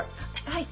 はい。